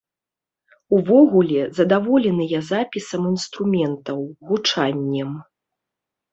Увогуле задаволеныя запісам інструментаў, гучаннем.